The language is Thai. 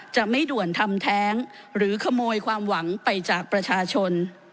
จะไม่ด่วนทำแท้งหรือขโมยความหวังไปจากประชาชน